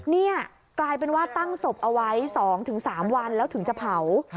นี่กลายเป็นว่าตั้งศพเอาไว้๒๓วันแล้วถึงจะเผา